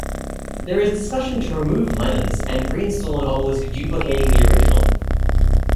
There is discussion to remove Lenin's and reinstall an obelisk duplicating the original.